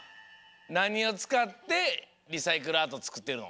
なにをつかってリサイクルアートつくってるの？